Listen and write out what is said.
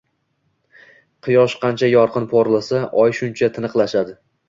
Quyosh qancha yorqin porlasa, oy shuncha tiniqlashadi.